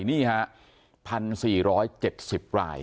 นี่ฮะ๑๔๗๐ราย